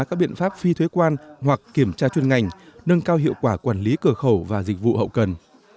các biện pháp phi thuế quan hoặc kiểm tra chuyên ngành nâng cao hiệu quả quản lý cửa khẩu và dịch vụ hậu cần